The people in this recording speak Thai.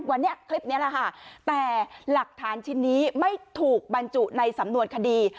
วันนี้คลิปนี้แหละค่ะแต่หลักฐานชิ้นนี้ไม่ถูกบรรจุในสำนวนคดี